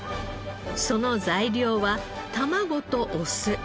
その材料は卵とお酢。